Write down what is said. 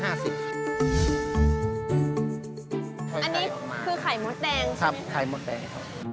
อันนี้คือไข่หมดแดงใช่ไหมคะครับไข่หมดแดง